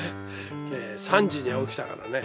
３時に起きたからね。